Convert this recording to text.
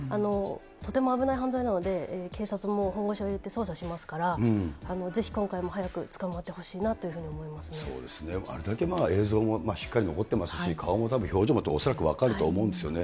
とても危ない犯罪なので、警察も本腰を入れて捜査しますから、ぜひ今回も早く捕まってほしいなそうですね、あれだけ映像もしっかり残ってますし、顔もたぶん、表情だって恐らく分かると思うんですよね。